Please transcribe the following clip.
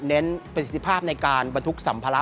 เน้นประสิทธิภาพในการบรรทุกสัมภาระ